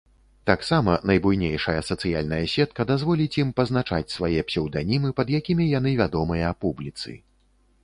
Таксама найбуйнейшая сацыяльная сетка дазволіць ім пазначаць свае псеўданімы, пад якімі яны вядомыя публіцы.